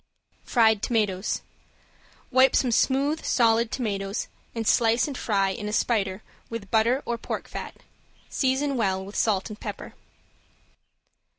~FRIED TOMATOES~ Wipe some smooth solid tomatoes and slice and fry in a spider with butter or pork fat. Season well with salt and pepper.